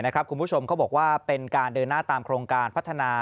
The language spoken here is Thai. คุณผู้ชมเขาบอกว่าเป็นการเดินหน้าตามโครงการพัฒนา